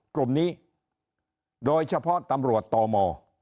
กลุ่มนี้โดยเฉพาะตำรวจตม